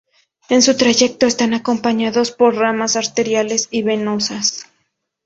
En su trayecto están acompañados por ramas arteriales y venosas.